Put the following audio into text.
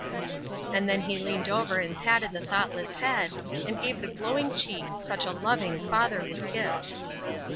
And then he leaned over and patted the thoughtless head, and gave the glowing cheek such a loving, fatherly kiss.